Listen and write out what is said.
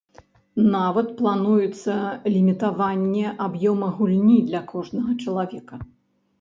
Нават плануецца лімітаванне аб'ёма гульні для кожнага чалавека.